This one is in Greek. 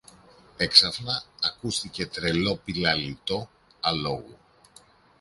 Έξαφνα ακούστηκε τρελό πηλαλητό αλόγου.